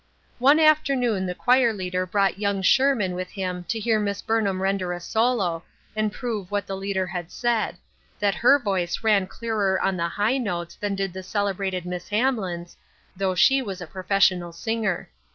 One afternoon the choir leader brought young Sherman with him to hear Miss Burnham render a solo, and prove what the leader had said ; that her voice ran clearer on the high notes than did the celebrated Miss Hamlin's, though she was a pro fessional singer.